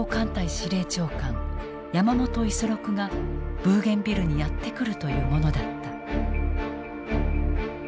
司令長官山本五十六がブーゲンビルにやって来るというものだった。